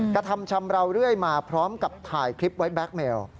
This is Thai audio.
กระทำชำราวเรื่อยมาพร้อมกับถ่ายคลิปไว้แก๊กเมล